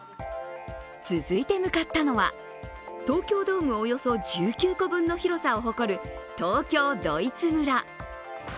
続いて向かったのは、東京ドームおよそ１９個分の広さを誇る東京ドイツ村。